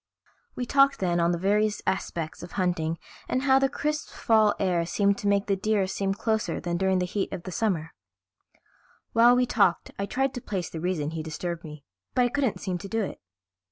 We talked then on the various aspects of hunting and how the crisp fall air seemed to make the deer seem closer than during the heat of summer. While we talked I tried to place the reason he disturbed me, but I couldn't seem to do it.